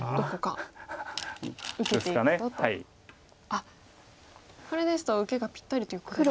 あっこれですと受けがぴったりということですか。